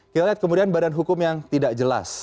kita lihat kemudian badan hukum yang tidak jelas